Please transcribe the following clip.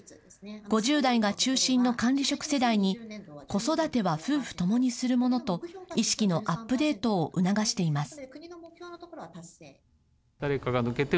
５０代が中心の管理職世代に子育ては夫婦ともにするものと意識のアップデートを促しています。